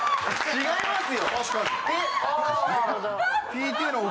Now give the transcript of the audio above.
違います！